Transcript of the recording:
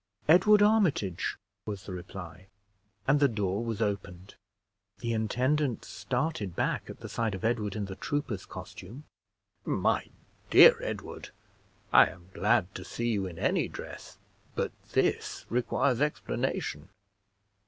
"Edward Armitage," was the reply; and the door was opened. The intendant started back at the sight of Edward in the trooper's costume. "My dear Edward, I am glad to see you in any dress, but this requires explanation.